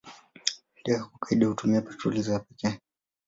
Ndege kwa kawaida hutumia petroli za pekee.